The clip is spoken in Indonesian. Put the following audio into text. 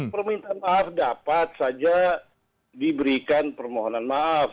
permintaan maaf dapat saja diberikan permohonan maaf